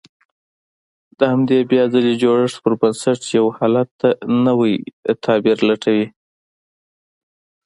د همدې بيا ځلې جوړښت پر بنسټ يو حالت ته نوی تعبير لټوي.